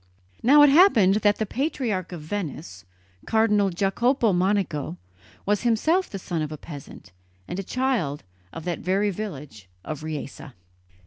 Now it happened that the patriarch of Venice, Cardinal Jacopo Monico, was himself the son of a peasant, and a child of that very village of Riese.